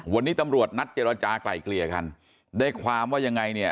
วันนี้ตำรวจนัดเจรจากลายเกลี่ยกันได้ความว่ายังไงเนี่ย